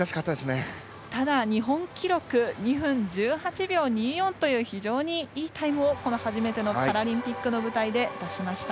ただ日本記録２分１８秒２４という非常にいいタイムを初めてのパラリンピックの舞台で出しました。